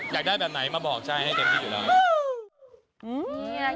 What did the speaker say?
อยากได้แบบไหนมาบอกใช่ให้เต็มที่อยู่แล้ว